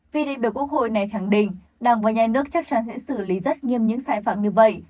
vì đại biểu quốc hội này khẳng định đảng và nhà nước chắc chắn sẽ xử lý rất nghiêm những sai phạm như vậy